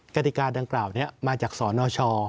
กติกาดังกล่าวนี้มาจากสนช